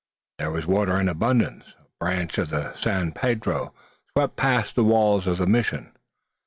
There was water in abundance. A branch of the San Pedro swept past the walls of the mission.